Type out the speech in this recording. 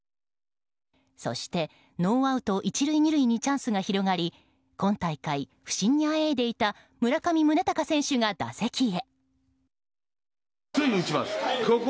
そして、ノーアウト１塁２塁にチャンスが広がり今大会、不振にあえいでいた村上宗隆選手が打席へ。